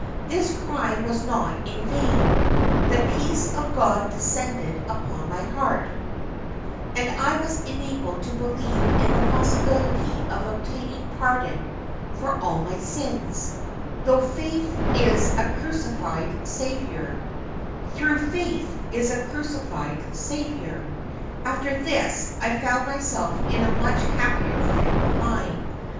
This cry was not in vain; the peace of God descended upon my heart, and I was enabled to believe in the possibility of obtaining pardon for all my sins, through faith in a crucified Saviour. After this, I found myself in a much happier frame of mind.